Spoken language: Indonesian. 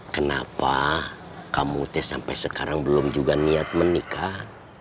kenapa kamu sampai sekarang belum juga niat menikah